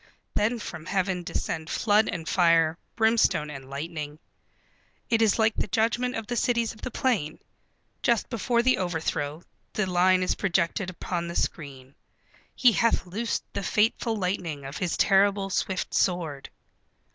Then from Heaven descend flood and fire, brimstone and lightning. It is like the judgment of the Cities of the Plain. Just before the overthrow, the line is projected upon the screen: "He hath loosed the fateful lightning of his terrible swift sword."